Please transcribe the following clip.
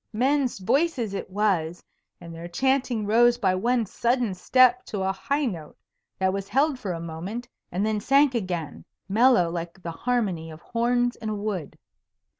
Men's voices it was, and their chanting rose by one sudden step to a high note that was held for a moment, and then sank again, mellow like the harmony of horns in a wood.